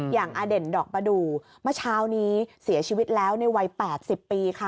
อเด่นดอกประดูกเมื่อเช้านี้เสียชีวิตแล้วในวัย๘๐ปีค่ะ